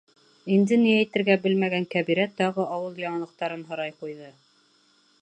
Инде ни әйтергә белмәгән Кәбирә тағы ауыл яңылыҡтарын һорай ҡуйҙы: